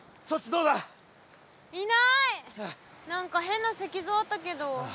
何か変な石像あったけど。